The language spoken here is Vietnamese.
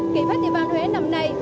kỳ festival huế năm nay